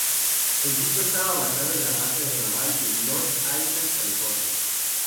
El grupo estaba basado en la Base Aeronaval de North Island, California.